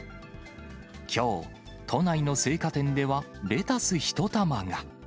きょう、都内の青果店ではレタス１玉が。